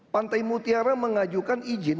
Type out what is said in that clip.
pantai mutiara mengajukan izin